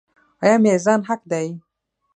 آیا میزان حق دی؟